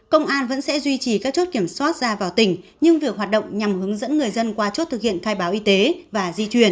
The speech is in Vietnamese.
công an vẫn sẽ duy trì các chốt kiểm soát ra vào tỉnh nhưng việc hoạt động nhằm hướng dẫn người dân qua chốt thực hiện khai báo y tế và di chuyển